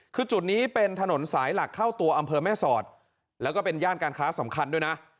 คือจุดนี้เป็นถนนสายหลักเข้าตัวอำเภอแม่สอดแล้วก็เป็นย่านการค้าสำคัญด้วยนะ